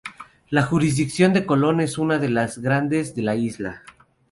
La jurisdicción de Colón es una de las grandes de la isla.